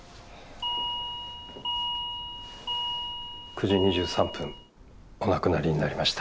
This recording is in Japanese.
９時２３分お亡くなりになりました。